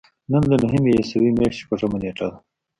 نن د نهمې عیسوي میاشتې شپږمه نېټه ده.